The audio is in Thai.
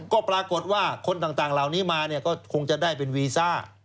ก็ปรากฏว่าคนต่างเหล่านี้มาเนี่ยก็คงจะได้เป็นวีซ่า